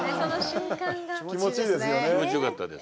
気持ちよかったです。